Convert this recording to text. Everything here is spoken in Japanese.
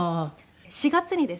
４月にですね